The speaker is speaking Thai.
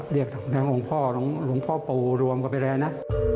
เรียกต่างหลวงพ่อหลวงพ่อปูรวมกับไปแล้วนะ